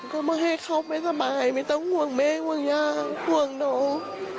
ก็ไม่ให้เขาไม่สบายไม่ต้องห่วงแม่ห่วงย่าห่วงน้อง